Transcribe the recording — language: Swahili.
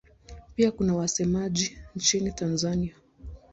Pia kuna wasemaji nchini Tanzania.